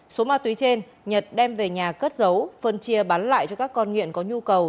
số ma túy trên nhật đem về nhà cất giấu phân chia bán lại cho các con nghiện có nhu cầu